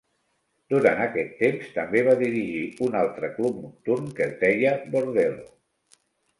Durant aquest temps, també va dirigir un altre club nocturn que es deia Bordello.